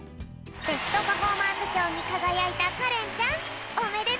ベストパフォーマンスしょうにかがやいたかれんちゃんおめでとう！